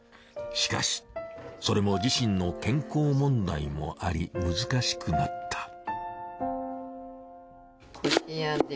しかしそれも自身の健康問題もあり難しくなった。